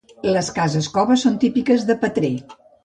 Les cases-cova són típiques de Petrer.